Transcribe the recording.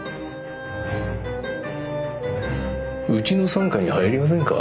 うちの傘下に入りませんか？